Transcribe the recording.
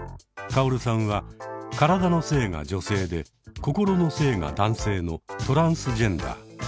カオルさんは体の性が女性で心の性が男性のトランスジェンダー。